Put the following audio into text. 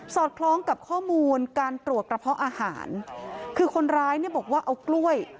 อดคล้องกับข้อมูลการตรวจกระเพาะอาหารคือคนร้ายเนี่ยบอกว่าเอากล้วย